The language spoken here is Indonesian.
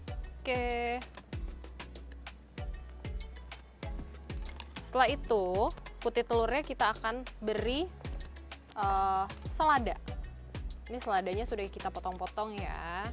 oke setelah itu putih telurnya kita akan beri selada ini seladanya sudah kita potong potong ya